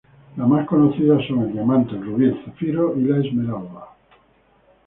Las más conocidas son el diamante, el rubí, el zafiro y la esmeralda.